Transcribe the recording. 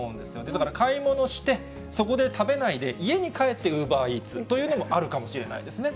だから買い物して、そこで食べないで、家に帰ってウーバーイーツというのもあるかもしれないですね。